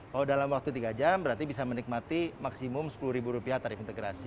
kalau dalam waktu tiga jam berarti bisa menikmati maksimum rp sepuluh tarif integrasi